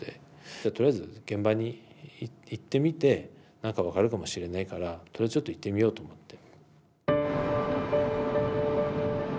とりあえず現場に行ってみて何か分かるかもしれないからとりあえずちょっと行ってみようと思って。